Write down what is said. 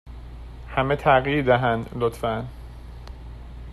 همه تغییر دهند، لطفا.